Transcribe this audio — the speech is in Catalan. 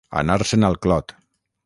Anar-se'n al clot.